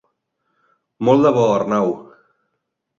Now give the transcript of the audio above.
Molt de bo, Arnau.